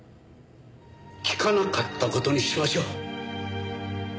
聞かなかった事にしましょう。